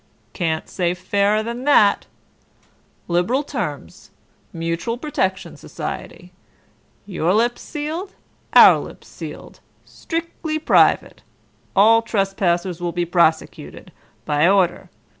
Can't say fairer than that. Liberal terms. Mutual Protection Society. Your lips sealed, our lips sealed. Strictly private. All trespassers will be prosecuted. By order.